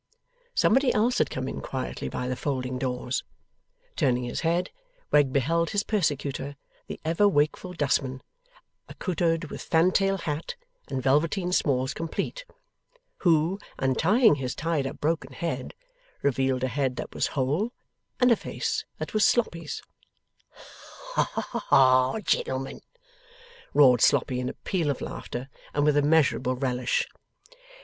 Somebody else had come in quietly by the folding doors. Turning his head, Wegg beheld his persecutor, the ever wakeful dustman, accoutred with fantail hat and velveteen smalls complete. Who, untying his tied up broken head, revealed a head that was whole, and a face that was Sloppy's. 'Ha, ha, ha, gentlemen!' roared Sloppy in a peal of laughter, and with immeasureable relish.